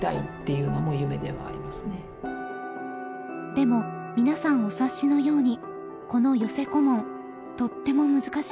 でも皆さんお察しのようにこの寄せ小紋とっても難しいんです。